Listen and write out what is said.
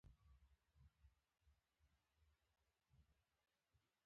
ځينې ظاهري فرقونه به وي.